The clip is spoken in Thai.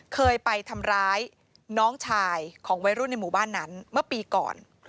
เคยไปทำร้ายน้องชายของวัยรุ่นในหมู่บ้านนั้นเมื่อปีก่อน